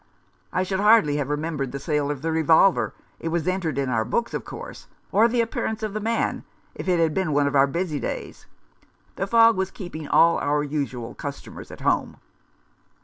I should hardly have remem bered the sale of the revolver — it was entered in our books, of course — or the appearance of the man, if it had been one of our busy days. The fog was keeping all our usual customers at home."